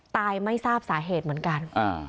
ไม่ทราบสาเหตุเหมือนกัน